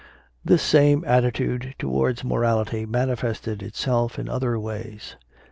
This same attitude towards morality manifested itself in other ways.